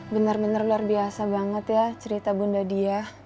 benar benar luar biasa banget ya cerita bunda dia